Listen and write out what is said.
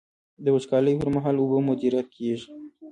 د وچکالۍ پر مهال اوبه مدیریت کیږي.